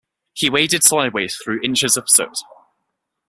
He waded sideways through inches of soot.